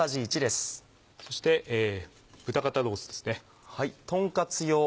そして豚肩ロースですね。